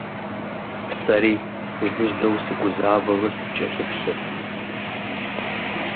Сэри жыжьэу сыгузавэурэ сыпкӀэлъыплъырт.